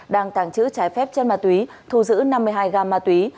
đang tàng trữ trái phép chân ma túy thu giữ năm mươi hai gam ma túy